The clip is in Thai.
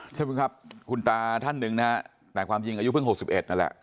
ใช่คุณครับคุณตาท่านหนึ่งนะแต่ความจริงอายุเพิ่งหกสิบเอ็ดนั่นแหละ